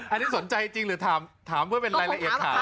อันนี้สนใจจริงหรือถามเพื่อเป็นรายละเอียดถาม